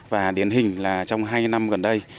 và điển hình là trong hai năm gần đây